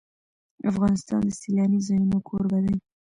افغانستان د سیلانی ځایونه کوربه دی.